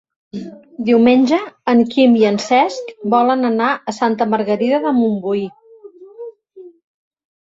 Diumenge en Quim i en Cesc volen anar a Santa Margarida de Montbui.